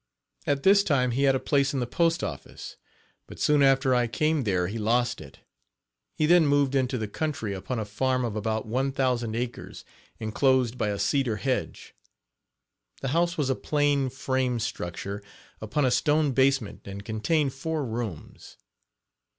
At this time he had a place in the postoffice, but soon after I came there he lost it. He then moved into the country upon a farm of about one thousand acres, enclosed by a cedar hedge. The house was a plain frame structure upon a stone basement and contained four rooms.